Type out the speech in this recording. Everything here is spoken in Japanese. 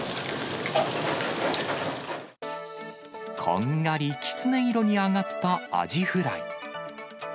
こんがりきつね色に揚がったアジフライ。